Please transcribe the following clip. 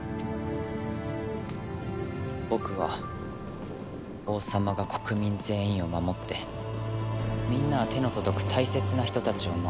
僕は王様が国民全員を守ってみんなは手の届く大切な人たちを守る。